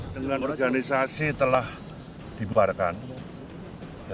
kedua organisasi telah dibubarkan